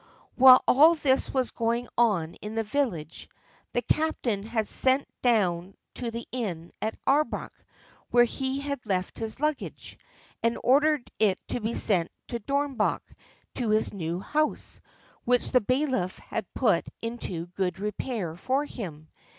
While all this was going on in the village, the captain had sent down to the inn at Aurbach, where he had left his luggage, and ordered it to be sent to Dornbach, to his new house, which the bailiff had put into good repair for him.